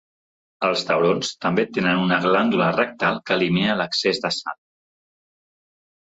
Els taurons també tenen una glàndula rectal que elimina l'excés de sal.